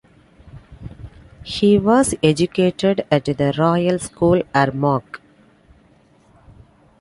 He was educated at The Royal School, Armagh.